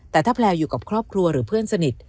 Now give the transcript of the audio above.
แต่ถ้าแพลวอยู่กับครอบครัวหรือเพื่อนสนิท